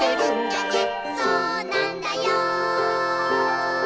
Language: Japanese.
「そうなんだよ」